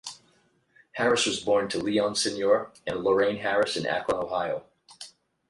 Harris was born to Leon Senior and Lorrene Harris in Akron, Ohio.